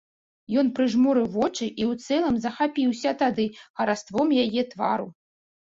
Ён прыжмурыў вочы і ў цэлым захапіўся тады хараством яе твару.